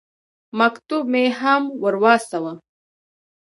مکتوب مې هم ور واستاوه.